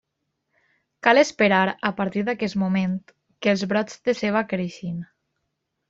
Cal esperar, a partir d'aquest moment, que els brots de ceba creixin.